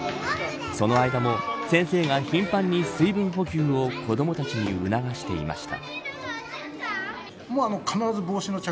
その間も先生が頻繁に水分補給を子どもたちに促していました。